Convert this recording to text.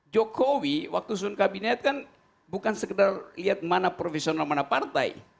jokowi waktu sun kabinet kan bukan sekedar lihat mana profesional mana partai